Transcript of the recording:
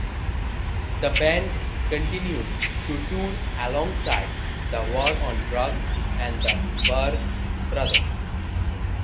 The band continued to tour alongside The War on Drugs and The Barr Brothers.